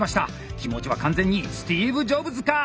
気持ちは完全にスティーブ・ジョブズか！